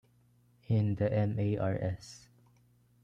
In the ma.r.s.